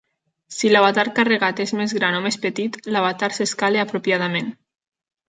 Si l'avatar carregat és més gran o més petit, l'avatar s'escala apropiadament.